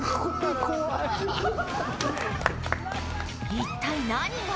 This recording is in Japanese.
一体何が？